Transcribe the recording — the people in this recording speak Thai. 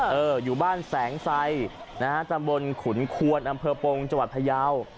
เออเอออยู่บ้านแสงไซนะฮะจำบลขุนควรอำเภอโปรงจวัดพยาว